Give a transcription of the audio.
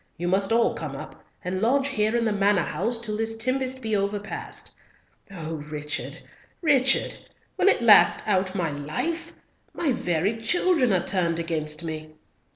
You must all come up, and lodge here in the Manor house till this tempest be overpast. Oh, Richard, Richard! will it last out my life? My very children are turned against me.